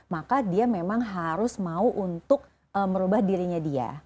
maka dia memang harus mau untuk merubah dirinya dia